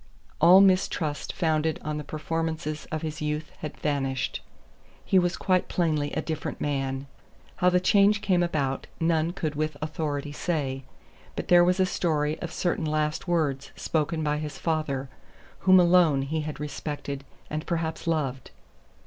All mistrust founded on the performances of his youth had vanished. He was quite plainly a different man. How the change came about none could with authority say, but there was a story of certain last words spoken by his father, whom alone he had respected and perhaps loved.